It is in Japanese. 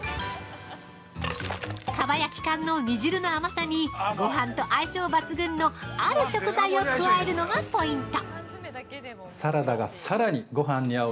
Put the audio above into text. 蒲焼缶の煮汁の甘さにごはんと相性抜群のある食材を加えるのがポイント。